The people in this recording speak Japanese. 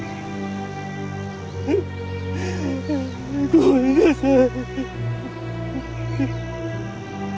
ごめんなさい。